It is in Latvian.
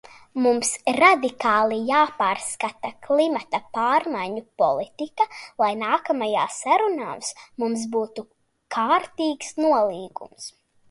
Mums radikāli jāpārskata klimata pārmaiņu politika, lai nākamajās sarunās mums būtu kārtīgs nolīgums.